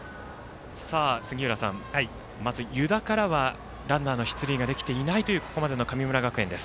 まず湯田からはランナーの出塁ができていないというここまでの神村学園。